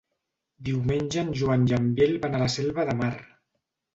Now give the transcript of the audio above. Diumenge en Joan i en Biel van a la Selva de Mar.